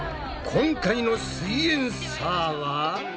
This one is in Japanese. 今回の「すイエんサー」は？